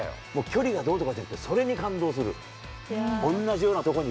距離がどうとかじゃなくて、それに感動する。